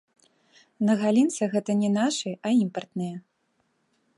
На галінцы гэта не нашы, а імпартныя.